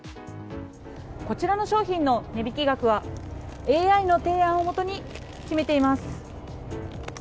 こちらの商品の値引き額はＡＩの提案をもとに決めています。